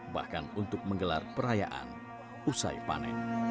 bahkan untuk menggelar perayaan usai panen